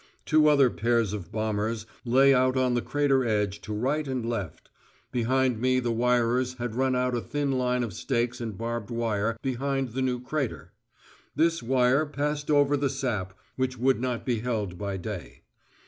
Two other pairs of bombers lay out on the crater edge to right and left; behind me the wirers had run out a thin line of stakes and barbed wire behind the new crater; this wire passed over the sap, which would not be held by day.